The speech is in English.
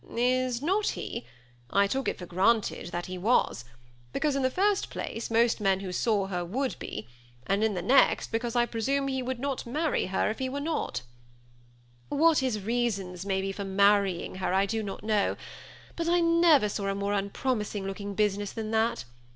" Is not he ? I took it for granted that he was, be cause, in the first place, most men who saw her would be ; and in the next, because I^ presume he would not marry her if he were not." THE SEMI ATTACHED COUPLE. 39 " What his reasons may be for marrying her, I do not know ; but I never saw a more unpromising looking business than that.